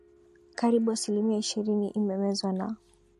karibu asilimia ishirini imemezwa na